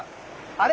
あれ？